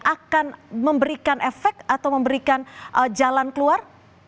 akan memberikan efek atau memberikan jalan keluar